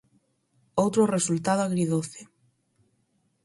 Outro resultado agridoce.